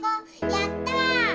やった！